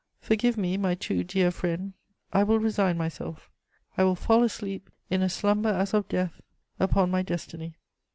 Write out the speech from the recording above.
Forgive me, my too dear friend, I will resign myself; I will fall asleep, in a slumber as of death, upon my destiny.